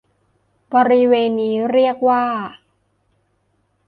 บริเวณนี้เรียกว่า